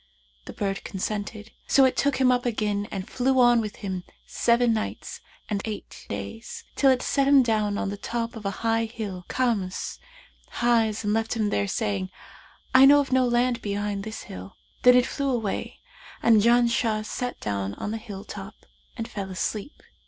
The bird consented; so it took him up again and flew on with him seven nights and eight days, till it set him down on the top of a high hill Karmus highs and left him there saying, 'I know of no land behind this hill.' Then it flew away and Janshah sat down on the hill top and fell asleep.